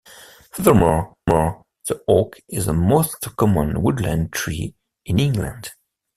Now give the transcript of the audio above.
Furthermore, the oak is the most common woodland tree in England.